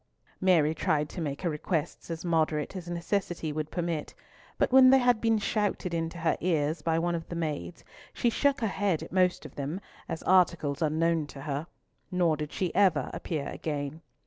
Mary tried to make her requests as moderate as necessity would permit; but when they had been shouted into her ears by one of the maids, she shook her head at most of them, as articles unknown to her. Nor did she ever appear again.